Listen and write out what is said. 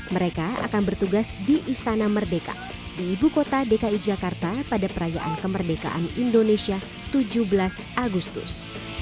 mereka akan bertugas di istana merdeka di ibu kota dki jakarta pada perayaan kemerdekaan indonesia tujuh belas agustus